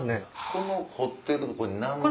この彫ってる名前。